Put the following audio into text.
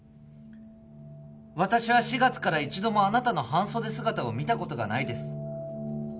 私は４月から一度もあなたの半袖姿を見たことがないです